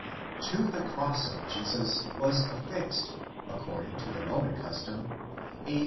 *§ To the cross of Jesus was affixed, according to the Roman custom,*® a.